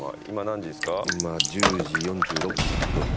今１０時４６分。